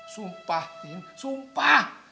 sumpah din sumpah